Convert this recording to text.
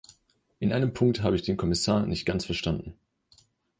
In einem Punkt habe ich den Kommissar nicht ganz verstanden.